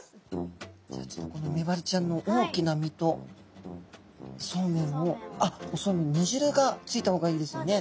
じゃあちょっとこのメバルちゃんの大きな身とそうめんをあっおそうめんの煮汁がついた方がいいですよね。